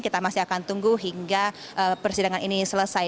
kita masih akan tunggu hingga persidangan ini selesai